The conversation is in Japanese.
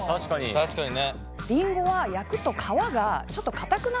確かにね。